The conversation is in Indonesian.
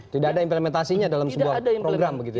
tidak ada implementasinya dalam sebuah program begitu ya